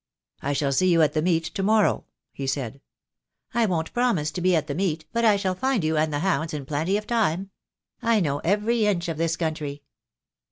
"I shall see you at the meet to morrow," he said. "I won't promise to be at the meet, but I shall find you and the hounds in plenty of time. I know every inch of this country."